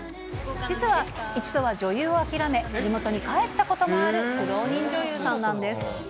実は一度は女優を諦め、地元に帰ったこともある苦労人女優さんなんです。